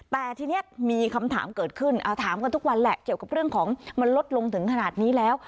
แต่ทีนี้มีคำถามเกิดขึ้นเอาถามกันทุกวันแหละเกี่ยวกับเรื่องของมันลดลงถึงขนาดนี้แล้ว